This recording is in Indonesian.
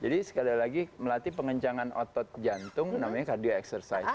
jadi sekalian lagi melatih pengencangan otot jantung namanya cardio exercise